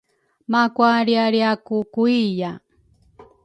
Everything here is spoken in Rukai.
makualrialriaku kuiya.